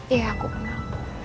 iya aku kenal